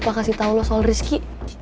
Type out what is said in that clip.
gue mau kasih tau lo soal rizky